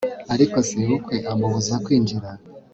ariko sebukwe amubuza kwinjira